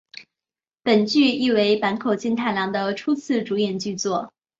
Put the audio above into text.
本剧亦为坂口健太郎的初次主演剧作。